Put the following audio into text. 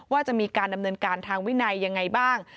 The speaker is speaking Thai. ว่าจะมีการดำเนินการทางวินัยยังไงบ้าง